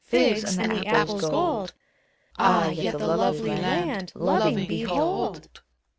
Figs, and the apple's gold : Ah! yet the lovely land, Loving, behold!